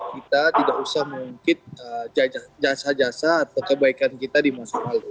kita tidak usah mengungkit jasa jasa atau kebaikan kita di masa lalu